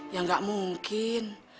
ya enggak mungkin